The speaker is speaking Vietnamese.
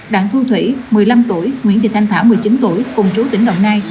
đặng thu thủy một mươi năm tuổi nguyễn thị thanh thảo một mươi chín tuổi cùng trú tỉnh đồng nai